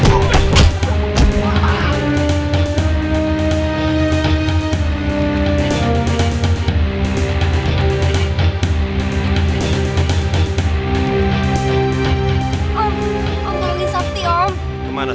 orang jahat siapa dong